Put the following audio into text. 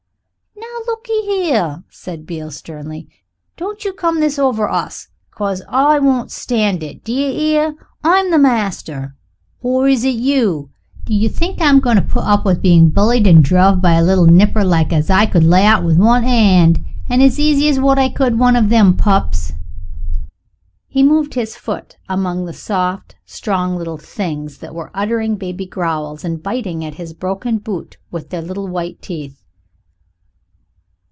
"Now lookee here," said Beale sternly, "don't you come this over us, 'cause I won't stand it, d'y 'ear? Am I the master or is it you? D'ye think I'm going to put up with being bullied and druv by a little nipper like as I could lay out with one 'and as easy as what I could one of them pups?" He moved his foot among the soft, strong little things that were uttering baby growls and biting at his broken boot with their little white teeth.